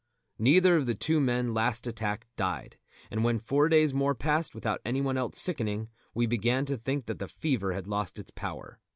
Neither of the two men last attacked died; and when four days more passed without anyone else sickening, we began to think that the fever had lost its power.